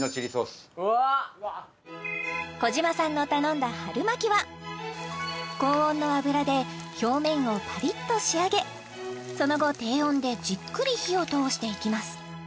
児嶋さんの頼んだ春巻きは高温の油で表面をパリッと仕上げその後低温でじっくり火を通していきます